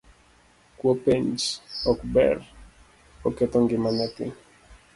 Kuo penj ok ber, oketho ngima nyathi